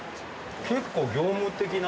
結構業務的な。